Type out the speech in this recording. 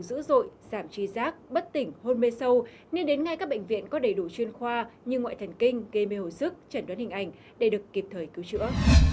dữ dội giảm trí rác bất tỉnh hôn mê sâu nên đến ngay các bệnh viện có đầy đủ chuyên khoa như ngoại thần kinh gây mê hồi sức chẩn đoán hình ảnh để được kịp thời cứu chữa